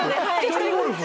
一人ゴルフ？